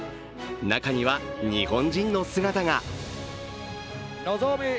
中には日本人の姿が。